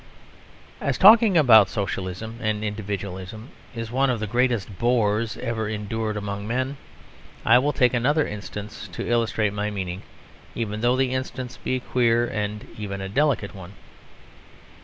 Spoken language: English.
As talking about Socialism and Individualism is one of the greatest bores ever endured among men, I will take another instance to illustrate my meaning, even though the instance be a queer and even a delicate one.